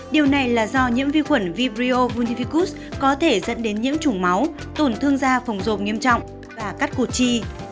điều này là do nhiễm vi khuẩn vibrio bunyvicos có thể dẫn đến nhiễm chủng máu tổn thương da phồng rồm nghiêm trọng và cắt cụt chi